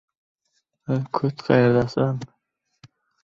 Ayrim kimsalarning qo‘lini yechib yuborsang, senikini bog‘lashga tushadi.